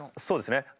そうですね。